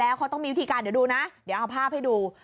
แล้วเขาต้องมีวิธีการเดี๋ยวดูนะเดี๋ยวเอาภาพให้ดู